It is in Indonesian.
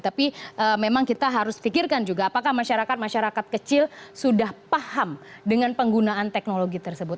tapi memang kita harus pikirkan juga apakah masyarakat masyarakat kecil sudah paham dengan penggunaan teknologi tersebut